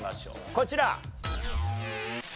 こちら。